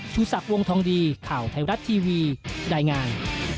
ชูสักวงธองดีข่าวไทยรัตน์ทีวีได้งาน